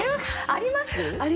あります！